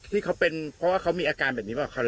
ที่เขาเป็นเพราะว่าเขามีอาการแบบนี้ป่ะเขา